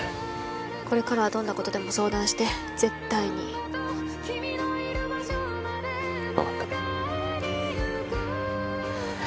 これからはどんなことでも相談して絶対に分かったよ